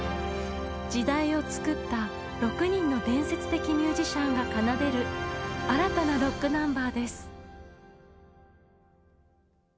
時代を作った６人の伝説的ミュージシャンが奏でる新たなロックナンバーです。